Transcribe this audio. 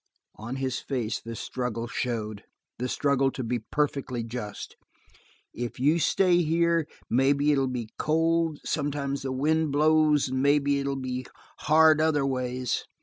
On his face the struggle showed the struggle to be perfectly just. "If you stay here, maybe it'll be cold, sometimes when the wind blows, and maybe it'll be hard other ways.